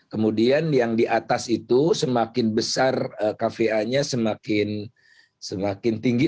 kemudian yang di atas itu semakin besar kva nya semakin tinggi